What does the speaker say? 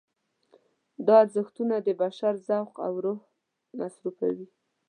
دا ارزښتونه د بشر ذوق او روح مصرفوي.